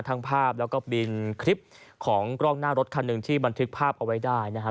ทั้งภาพแล้วก็บินคลิปของกล้องหน้ารถคันหนึ่งที่บันทึกภาพเอาไว้ได้นะฮะ